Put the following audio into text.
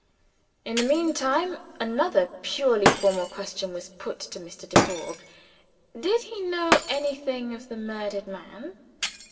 In the meantime, another purely formal question was put to Mr. Dubourg. Did he know anything of the murdered man?